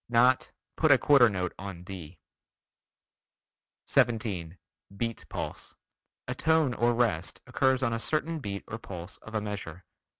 Not "put a quarter note on D." 17. Beat Pulse: A tone or rest occurs on a certain beat or pulse of a measure.